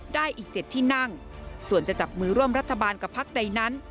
ได้อีก๗ที่นั่งส่วนจะจับมือร่วมรัฐบาลกับพักใดนั้น